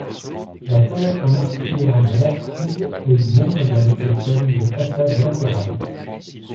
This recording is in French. La fenêtre-meurtrière de l'abside est du même modèle que celles des façades latérales.